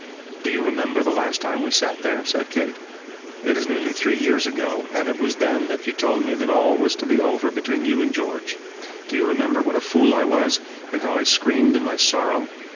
"Do you remember the last time we sat there?" said Kate. "It is nearly three years ago, and it was then that you told me that all was to be over between you and George. Do you remember what a fool I was, and how I screamed in my sorrow?